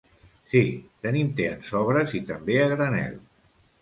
Sí tenim te en sobres i també a granel.